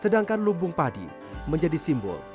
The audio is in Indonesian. sedangkan lumbung padi menjadi simbol